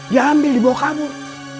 diambil dibawa kabur